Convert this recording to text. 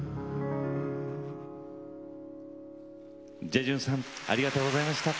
ジェジュンさんありがとうございました。